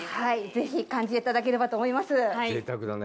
ぜひ、感じていただければと思います。